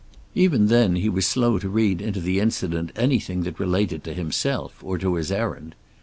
Even then he was slow to read into the incident anything that related to himself or to his errand.